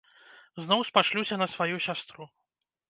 Зноў спашлюся на сваю сястру.